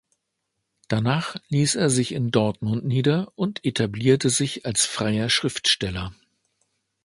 Danach ließ er sich in Dortmund nieder und etablierte sich als freier Schriftsteller.